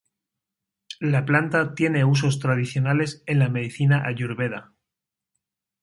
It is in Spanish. La planta tiene usos tradicionales en la medicina Ayurveda.